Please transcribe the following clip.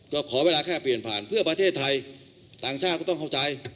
ก็ขอเวลาแค่เปลี่ยนผ่านเพื่อประเทศไทยต่างชาติก็ต้องเข้าใจ